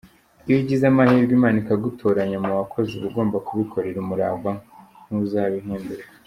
Iyo ugize amahirwe Imana ikagutoranya mu bakozi uba ugomba kubikorana umurava nk’ uzabihemberwa.